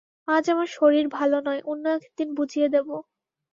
আজ আমার শরীর ভাল নয়, অন্য একদিন বুঝিয়ে দেব।